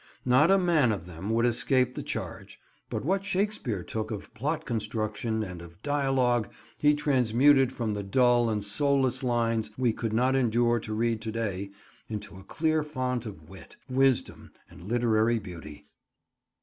Not a man of them would escape the charge; but what Shakespeare took of plot construction and of dialogue he transmuted from the dull and soulless lines we could not endure to read to day, into a clear fount of wit, wisdom and literary beauty.